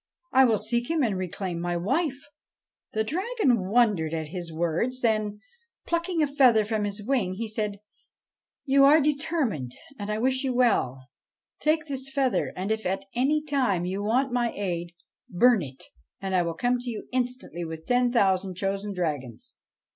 I will seek him and reclaim my wife.' The Dragon King wondered at his words ; then, plucking a feather from his wing, he said, ' You are determined, and I wish you well. Take this feather, and, if at any time you want my aid, burn it and I will come to you instantly with ten thousand chosen dragons.'